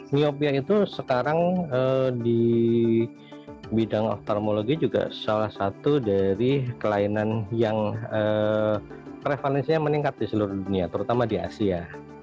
miopia itu sekarang di bidang ophermologi juga salah satu dari kelainan yang prevalensinya meningkat di seluruh dunia terutama di asia